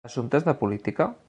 Assumptes de política?